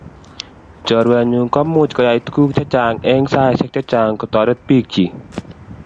Chorwet nyun komuch koyaya tukuk chechang eng saisiek chechang kotoret bik chik.